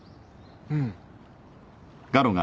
うん。